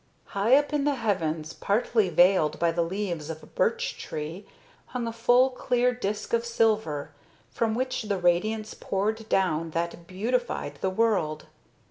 High up in the heavens, partly veiled by the leaves of a beech tree, hung a full clear disk of silver, from which the radiance poured down that beautified the world.